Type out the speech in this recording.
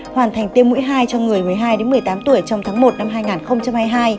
hoàn thành tiêm mũi hai cho người một mươi hai một mươi tám tuổi trong tháng một năm hai nghìn hai mươi hai